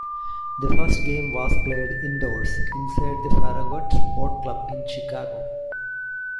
The first game was played indoors, inside the Farragut Boat Club in Chicago.